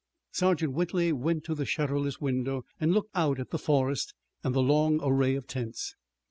Sergeant Whitley went to the shutterless window, and looked out at the forest and the long array of tents.